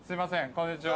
こんにちは。